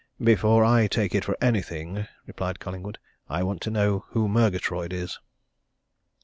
"Before I take it for anything," replied Collingwood, "I want to know who Murgatroyd is."